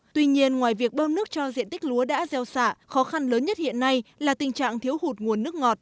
tuy nhiên ngoài việc bơm nước cho diện tích lúa đã gieo xạ khó khăn lớn nhất hiện nay là tình trạng thiếu hụt nguồn nước ngọt